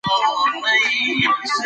انا باید له ماشوم سره مینه وکړي.